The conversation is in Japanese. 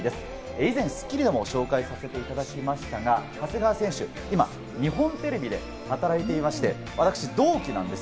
以前『スッキリ』でも紹介させていただきましたが、長谷川選手、今日本テレビで働いていまして、私、同期なんです。